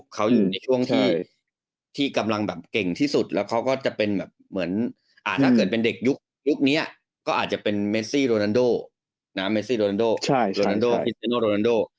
เขาอยู่ในช่วงที่กำลังแบบเก่งที่สุดแล้วเขาก็จะเป็นแบบเหมือนถ้าเกิดเป็นเด็กยุคนี้ก็อาจจะเป็นเมซี่โรนันโดนะเมซี่โรนันโดโรนันโดพิเซโนโรนันโด